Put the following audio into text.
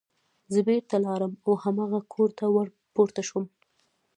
زه بېرته لاړم او هماغه کور ته ور پورته شوم